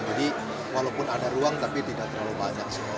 jadi walaupun ada ruang tapi tidak terlalu banyak